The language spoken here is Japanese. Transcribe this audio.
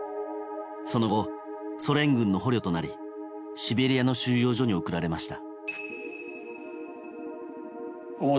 その後、ソ連軍の捕虜となりシベリアの収容所に送られました。